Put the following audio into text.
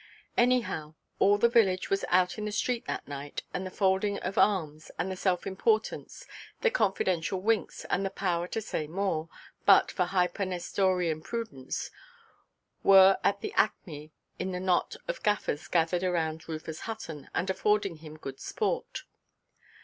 Anyhow, all the village was out in the street that night; and the folding of arms, and the self–importance, the confidential winks, and the power to say more (but for hyper–Nestorean prudence) were at their acme in a knot of gaffers gathered around Rufus Hutton, and affording him good sport.